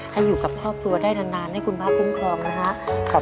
ให้กับครอบครัวได้นานให้คุณพระคุ้มครองนะครับ